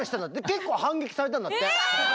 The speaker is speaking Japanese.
結構反撃されたんだって。え！？